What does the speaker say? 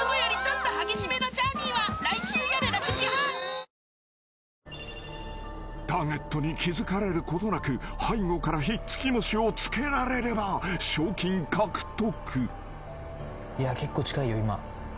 キリン「生茶」［ターゲットに気付かれることなく背後からひっつき虫をつけられれば賞金獲得］